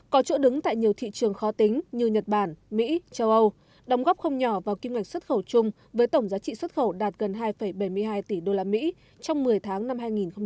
có chỗ đứng tại nhiều thị trường khó tính như nhật bản mỹ châu âu đóng góp không nhỏ vào kinh ngạch xuất khẩu chung với tổng giá trị xuất khẩu đạt gần hai bảy mươi hai tỷ usd trong một mươi tháng năm hai nghìn một mươi chín